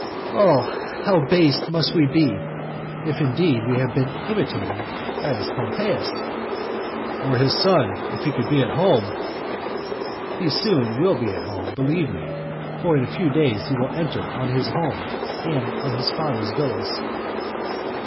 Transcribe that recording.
Oh how base must we be, if indeed we have been imitating Cnaeus Pompeius! "Or his son, if he could be at home?" He soon will be at home, believe me; for in a very few days he will enter on his home, and on his father's villas.